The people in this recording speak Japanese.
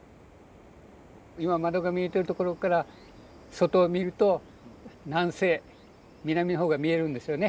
今窓が見えてるところから外を見ると南西南のほうが見えるんですよね。